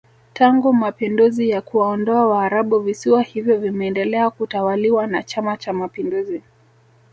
Tangu Mapinduzi ya kuwaondoa waarabu visiwa hivyo vimeendelea kutawaliwa na chama cha mapinduzi